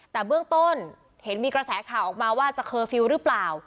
แต่เบื้องต้นเห็นมีกระแสข่าวออกมาว่าจะเคอร์ฟิลล์หรือเปล่า